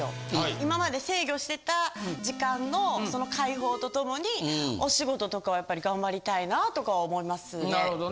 今まで制御してた時間の解放と共にお仕事とかはやっぱり頑張りたいなとか思いますね。